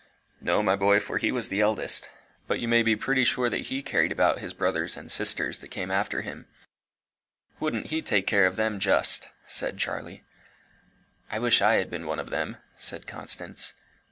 "No, my boy; for he was the eldest. But you may be pretty sure he carried about his brothers and sisters that came after him." "Wouldn't he take care of them, just!" said Charlie. "I wish I had been one of them," said Constance.